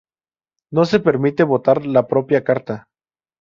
No se permite votar la propia carta.